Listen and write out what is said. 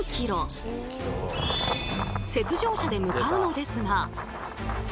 雪上車で向かうのですが−